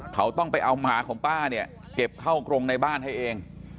เขาต้องไปเอาหมาของป้าเนี่ยเก็บเข้ากรงในบ้านให้เอง